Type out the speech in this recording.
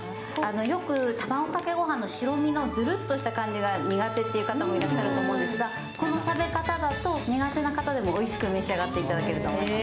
よく、たまごかけご飯の白身のドゥルッとした感じが苦手という方がいらっしゃると思うんですがこの食べ方だと、苦手な方でもおいしく召し上がっていただけると思います。